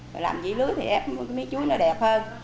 rồi làm dĩ lưới thì ép mấy chuối nó đẹp hơn